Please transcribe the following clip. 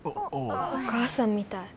お母さんみたい。